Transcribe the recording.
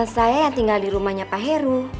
saya yang tinggal di rumahnya pak heru